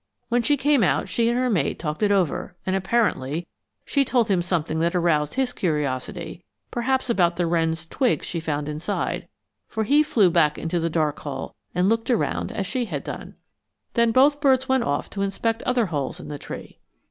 When she came out she and her mate talked it over and, apparently, she told him something that aroused his curiosity perhaps about the wren's twigs she found inside for he flew into the dark hole and looked around as she had done. Then both birds went off to inspect other holes in the tree.